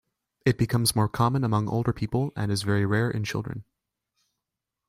It becomes more common among older people and is very rare in children.